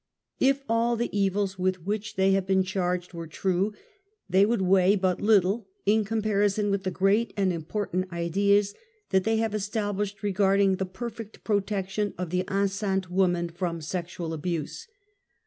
If all the evils with which they have been charged were true, they would weigh but little in comparison with the great and important ideas that they have established re \ garding the perfect protection of the enceinte woman / from sexual abuse.